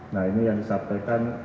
nah ini yang disampaikan